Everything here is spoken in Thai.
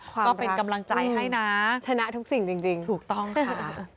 ก็เป็นกำลังใจให้นะชนะทุกสิ่งจริงถูกต้องค่ะ